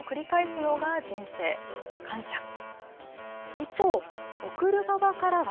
一方、送る側からは。